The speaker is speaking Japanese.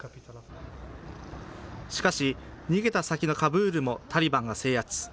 しかし、逃げた先のカブールもタリバンが制圧。